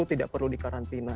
tidak perlu dikarantina